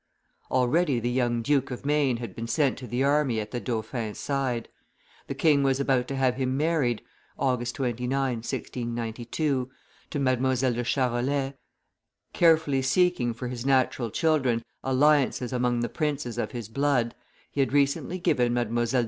Already the young Duke of Maine had been sent to the army at the dauphin's side; the king was about to have him married [August 29, 1692] to Mdlle. de Charolais; carefully seeking for his natural children alliances amongst the princes of his blood, he had recently given Mdlle.